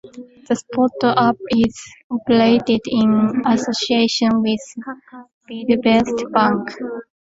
The Spot app is operated in association with Bidvest Bank.